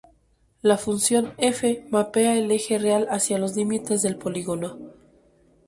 La función "f" mapea el eje real hacia los límites del polígono.